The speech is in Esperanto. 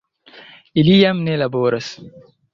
Ili jam ne laboras.